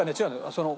その。